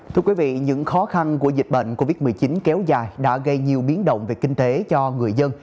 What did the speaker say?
thưa quý vị những khó khăn của dịch bệnh covid một mươi chín kéo dài đã gây nhiều biến động về kinh tế cho người dân